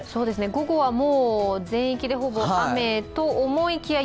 午後は全域でほぼ雨と思いきや、